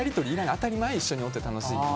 当たり前一緒におって楽しいのは。